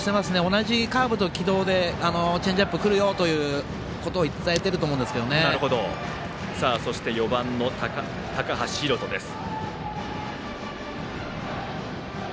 同じカーブの軌道でチェンジアップくるよということを伝えているとそして４番の高橋海翔です。